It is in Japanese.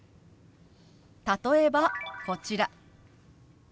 例えばこちら。